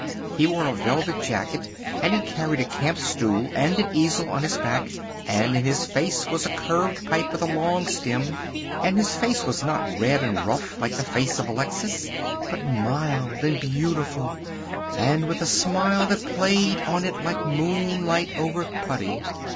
He wore a velvet jacket and he carried a camp stool and an easel on his back, and in his face was a curved pipe with a long stem, and his face was not red and rough like the face of Alexis, but mild and beautiful and with a smile that played on it like moonlight over putty.